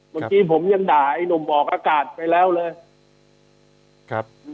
เมื่อกี้ผมยังด่าไอ้หนุ่มออกอากาศไปแล้วเลยครับ